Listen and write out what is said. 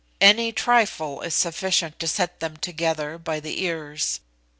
Any trifle is sufficient to set them together by the ears.